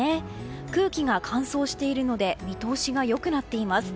空気が乾燥しているので見通しが良くなっています。